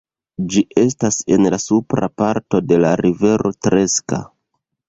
Ĝi estas en la supra parto de la rivero Treska.